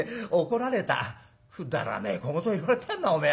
「くだらねえ小言言われてんなお前は」。